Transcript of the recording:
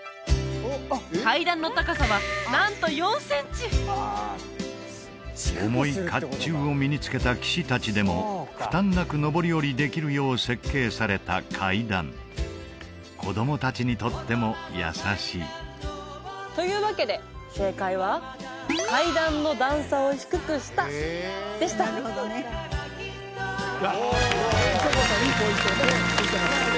階段の高さはなんと４センチ重い甲冑を身につけた騎士達でも負担なく上り下りできるよう設計された階段子供達にとっても優しいというわけで正解は「階段の段差を低くした」でした磯村さんいいポイントをねついてました